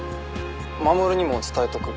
守にも伝えとく。